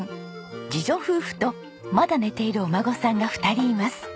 次女夫婦とまだ寝ているお孫さんが２人います。